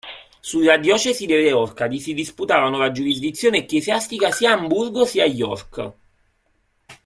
Sulla diocesi delle Orcadi si disputavano la giurisdizione ecclesiastica sia Amburgo sia York.